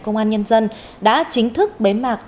công an nhân dân đã chính thức bế mạc